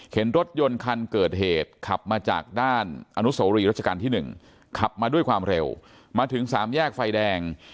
เห็นรถยนต์คันเกิดเหตุขับมาจากด้านอนุโสรีรัชกาลที่๑ขับมาด้วยความเร็วมาถึงสามแยกไฟแดง